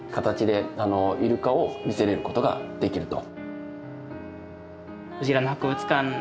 イルカを見せれることができると。